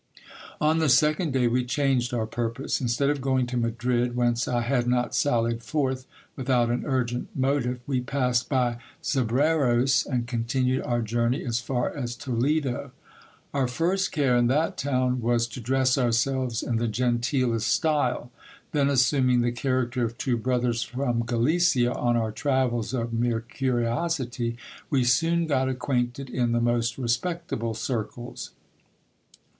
On the second day we changed our purpose. Instead of going to Madrid, whence I had not sallied forth without an urgent motive, we passed by Zebreros, and continued our journey as far as Toledo. Our first care, in that town, was to dress ourselves in the genteelest style ; then assuming the character of two brothers from Galicia on our travels of mere curiosity, we soon got acquainted in the most respectable circles.